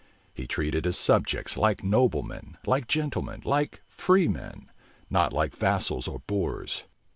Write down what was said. He treated his subjects like noblemen, like gentlemen, like freemen; not like vassals or boors.